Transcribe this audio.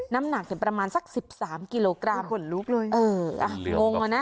น้ำหนักเนี่ยประมาณสักสิบสามกิโลกรัมลุกเลยเอออ่ะงงอ่ะนะ